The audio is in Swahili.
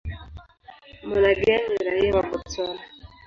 Monageng ni raia wa Botswana.